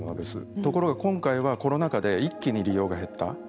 ところが今回はコロナ禍で一気に利用が減った。